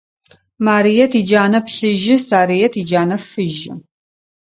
Марыет иджанэ плъыжьы, Сарыет иджанэ фыжьы.